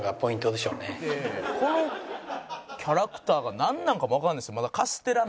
このキャラクターがなんなのかもわかんないですまだ。